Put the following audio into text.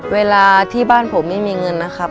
เวลาที่บ้านผมไม่มีเงินนะครับ